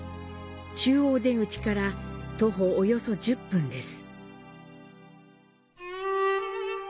中央出口から徒歩約１０分です。